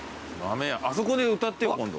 あそこで歌ってよ今度。